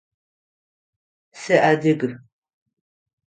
Сыадыг.